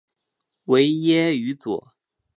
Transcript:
维耶于佐。